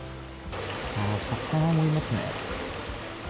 魚がいますね。